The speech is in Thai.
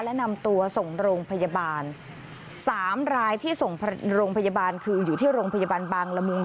และนำตัวส่งโรงพยาบาลสามรายที่ส่งโรงพยาบาลคืออยู่ที่โรงพยาบาลบางละมุง